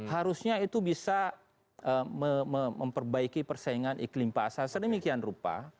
harusnya itu bisa memperbaiki persaingan iklim pasar sedemikian rupa